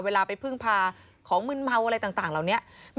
เวลาไปพึ่งพาของมืนเมาอะไรต่างเหล่านี้